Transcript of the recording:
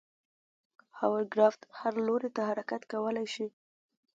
هاورکرافت هر لوري ته حرکت کولی شي.